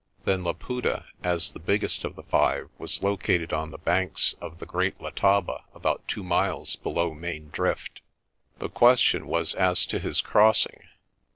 Then Laputa, as the biggest of the five, was located on the banks of the Great Letaba about two miles below Main Drift. The question was as to his crossing.